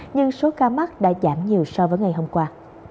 nhưng số ca mắc đã giảm nhiều so với ngày hôm qua